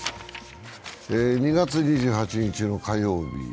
２月２８日の火曜日。